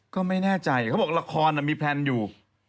ก็ไม่แน่ใจเขาบอกละครมีแพลนอยู่